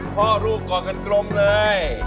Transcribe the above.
พ่อลูกกอดกันกลมเลย